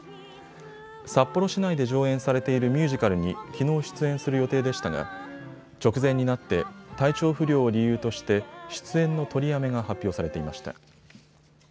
札幌市内で上演されているミュージカルにきのう出演する予定でしたが直前になって体調不良を理由として出演の取りやめが発表されていました。